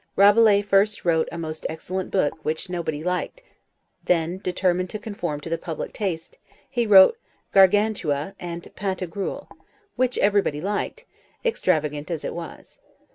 Rabelais first wrote a most excellent book, which nobody liked; then, determined to conform to the public taste, he wrote Gargantua and Pantagruel, which everybody liked, extravagant as it was.